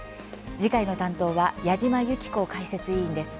次回の担当は矢島ゆき子解説委員です。